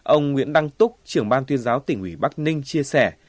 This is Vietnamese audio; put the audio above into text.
ông nguyễn đăng túc trưởng ban tuyên giáo tỉnh ủy bắc ninh chia sẻ